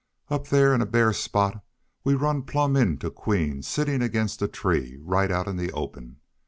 Up thar in a bare spot we run plump into Queen sittin' against a tree, right out in the open.